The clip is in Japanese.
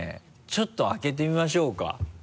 ちょっと開けてみましょうか。